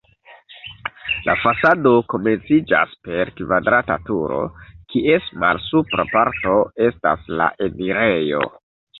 La fasado komenciĝas per kvadrata turo, kies malsupra parto estas la enirejo.